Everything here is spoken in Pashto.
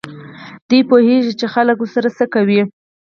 دوی پوهېږي چې خلک ورسره څه کوي.